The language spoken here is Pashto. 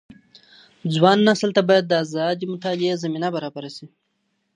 ځوان نسل ته بايد د ازادي مطالعې زمينه برابره سي.